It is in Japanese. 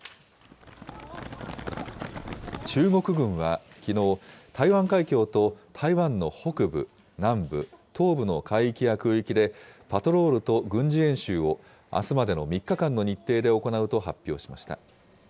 中国軍はきのう、台湾海峡と台湾の北部、南部、東部の海域や空域で、パトロールと軍事演習をあすまでの３日間の日程で行うと発表しました。